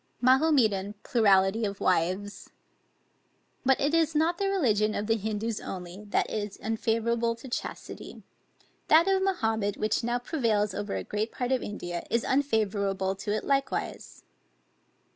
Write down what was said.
MAHOMETAN PLURALITY OF WIVES. But it is not the religion of the Hindoos only, that is unfavorable to chastity; that of Mahomet which now prevails over a great part of India, is unfavorable to it likewise.